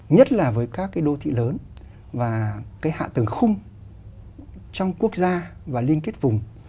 nhất là với các cái đô thị lớn và cái hạ tầng khung trong quốc gia và liên kết vùng